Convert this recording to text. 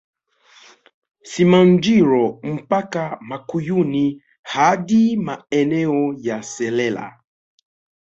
Simanjiro mpaka Makuyuni hadi maeneo ya Selela